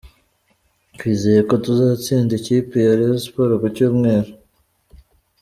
Twizeye ko tuzatsinda ikipe ya Rayon Sports ku Cyumweru.